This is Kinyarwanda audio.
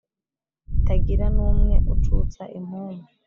Itagira n' umwe ucutsa impumu